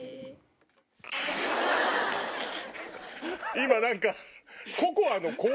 今何か。